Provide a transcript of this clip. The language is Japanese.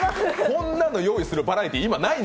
こんなの用意するバラエティー、今、ない。